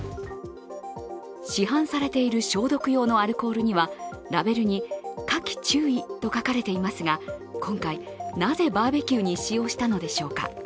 市販されている消毒用のアルコールにはラベルに火気注意と書かれていますが今回、なぜバーベキューに使用したのでしょうか。